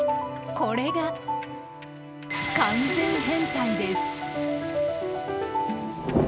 これが完全変態です。